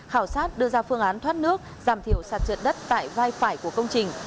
khảo sát đưa ra phương án thoát nước giảm thiểu sạt trượt đất tại vai phải của công trình